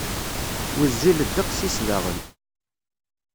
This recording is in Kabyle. Wezzil ddeqs-is daɣen.